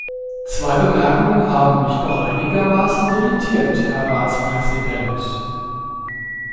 Zwei Bemerkungen haben mich doch einigermaßen irritiert, Herr Ratspräsident.